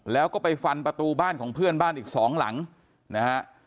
แล้วก็ไปฟันประตูบ้านของเพื่อนบ้านอีกสองหลังนะฮะ